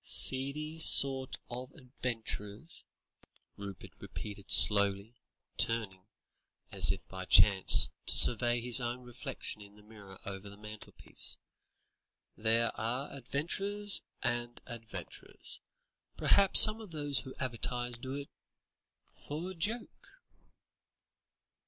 "Seedy sort of adventurers," Rupert repeated slowly, turning, as if by chance, to survey his own reflection in the mirror over the mantelpiece; "there are adventurers and adventurers. Perhaps some of those who advertise do it for a joke."